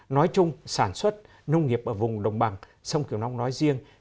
nói chung sản xuất nông nghiệp ở vùng đồng bằng sông kiều long nói riêng